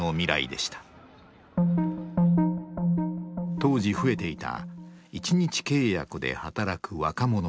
当時増えていた一日契約で働く若者たち。